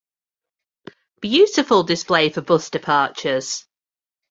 Beautiful display for bus departures